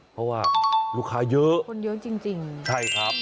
เพราะว่าลูกค้าเยอะคนเยอะจริงจริงใช่ครับ